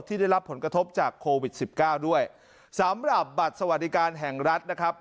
ได้รับผลกระทบจากโควิดสิบเก้าด้วยสำหรับบัตรสวัสดิการแห่งรัฐนะครับ